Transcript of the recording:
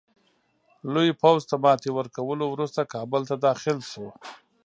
لوی پوځ ته ماتي ورکولو وروسته کابل ته داخل شو.